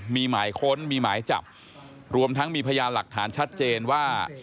มีหมายค้นมีหมายจับรวมทั้งมีพยานหลักฐานชัดเจนว่า